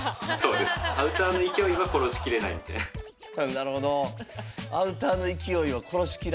なるほど。